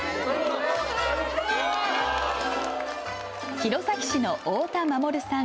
弘前市の太田守さん。